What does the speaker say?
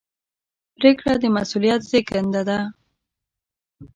پرېکړه د مسؤلیت زېږنده ده.